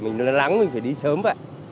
mình lắng mình phải đi sớm vậy